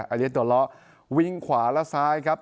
อันนี้ตัวล้อวิ่งขวาและซ้ายครับ